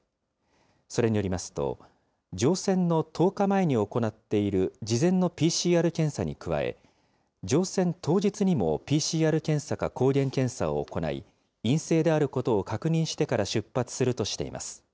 それによりますと、乗船の１０日前に行っている事前のＰＣＲ検査に加え、乗船当日にもＰＣＲ検査か抗原検査を行い、陰性であることを確認してから出発するとしています。